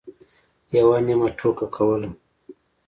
یوه نیمه ټوکه کوله.